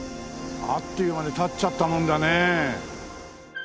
あっという間に建っちゃったもんだね。